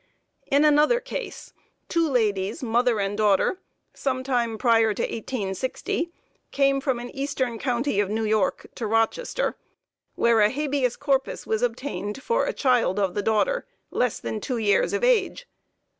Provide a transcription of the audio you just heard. In another case, two ladies, mother and daughter, some time prior to 1860 came from an eastern county of New York to Rochester, where a habeas corpus was obtained for a child of the daughter, less than two years of age.